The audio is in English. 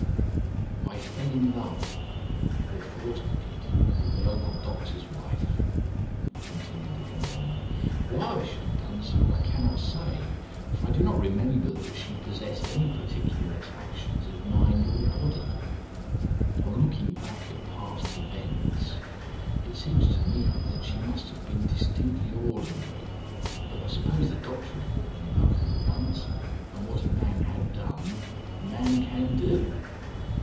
"I fell in love, or thought I did, with the local doctor's wife," continued the condemned. "Why I should have done so, I cannot say, for I do not remember that she possessed any particular attractions of mind or body. On looking back at past events if seems to me that she must have been distinctly ordinary, but I suppose the doctor had fallen in love with her once, and what man had done man can do.